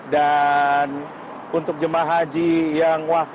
dan untuk jum'ah haji yang wafat di tanah suci